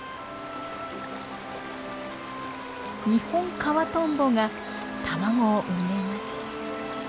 ニホンカワトンボが卵を産んでいます。